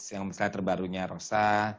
yang misalnya terbarunya rosa